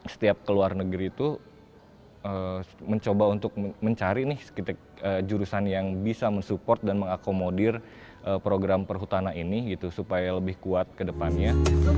setiap ke luar negeri itu mencoba untuk mencari nih jurusan yang bisa mensupport dan mengakomodir program perhutana ini gitu supaya lebih kuat ke depannya